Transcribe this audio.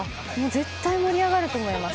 絶対盛り上がると思います。